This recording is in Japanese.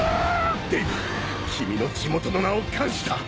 デイヴ君の地元の名を冠した。